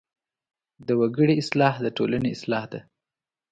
د وګړي اصلاح د ټولنې اصلاح ده.